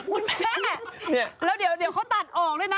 คุณแม่แล้วเดี๋ยวเขาตัดออกด้วยนะ